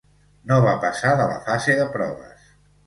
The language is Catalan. No va passar de la fase de proves.